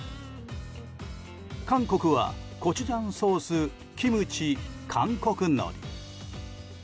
韓国は、コチュジャンソースキムチ、韓国のり。